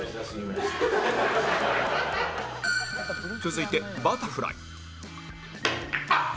続いてバタフライあっ！